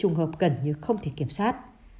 gần như không thể kiểm soát